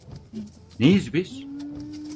Neyiz biz?